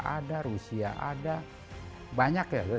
ada rusia ada banyak ya